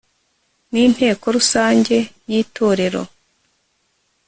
ninteko rusange yi torero